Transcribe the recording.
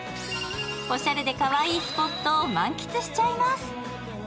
おしゃれでかわいいスポットを満喫しちゃいます。